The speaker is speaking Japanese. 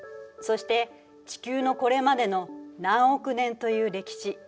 そして地球のこれまでの何億年という歴史